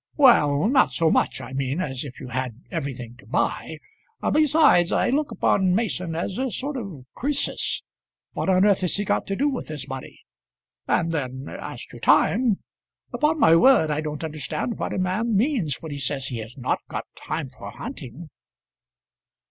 "Well; not so much, I mean, as if you had everything to buy. Besides, I look upon Mason as a sort of Croesus. What on earth has he got to do with his money? And then as to time; upon my word I don't understand what a man means when he says he has not got time for hunting."